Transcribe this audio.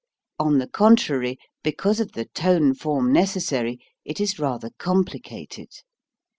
On the contrary, because of the tone form necessary, it is rather complicated.